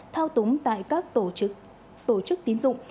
thao túng tại các tổ chức tiến dụng